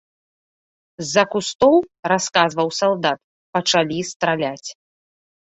З-за кустоў, расказваў салдат, пачалі страляць.